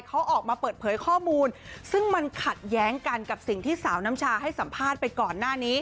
เขาออกมาเปิดเผยข้อมูลซึ่งมันขัดแย้งกันกับสิ่งที่สาวน้ำชาให้สัมภาษณ์ไปก่อนหน้านี้